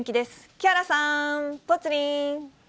木原さん、ぽつリン。